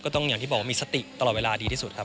อย่างที่บอกว่ามีสติตลอดเวลาดีที่สุดครับ